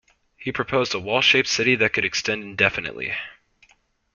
He proposed a wall-shaped city that could extend indefinitely.